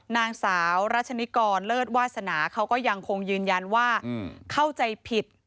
นางสาวรัชนิกรเลิศวาสนาเขาก็ยังคงยืนยันว่าเข้าใจผิด